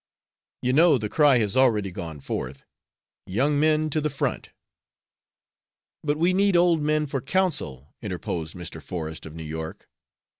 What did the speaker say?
You know the cry has already gone forth, 'Young men to the front.'" "But we need old men for counsel," interposed Mr. Forest, of New York.